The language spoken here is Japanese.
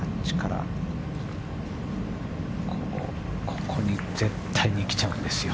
ここに絶対来ちゃうんですよ。